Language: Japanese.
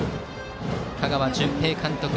香川純平監督